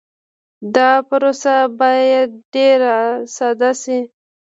دا پروسه باید ډېر ساده شي.